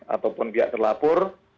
ataupun pihak pelapor